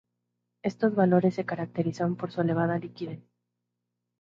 Estos valores se caracterizan por su elevada liquidez.